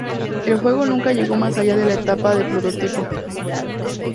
El juego nunca llegó más allá de la etapa de prototipo.